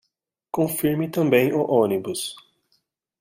Confirme também o ônibus